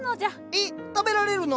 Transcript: えっ食べられるの？